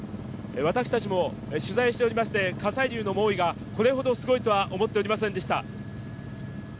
私たちも取材しておりまして、火砕流の猛威がこれほどすごいとは思っておりませんでした。